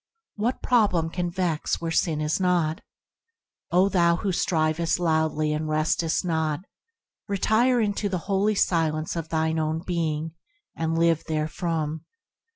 " What problem can vex where sin is not ? O thou who strivest loudly and restest not! retire into the holy silence of thine own being, and live therefrom.